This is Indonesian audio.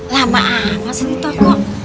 lama amat masih di toko